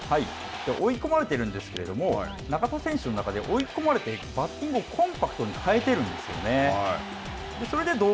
追い込まれてるんですけれども、中田選手の中で追い込まれてバッティングをコンパクトに変えているんですよね。